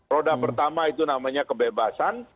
roda pertama itu namanya kebebasan